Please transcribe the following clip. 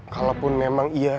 kalaupun memang iya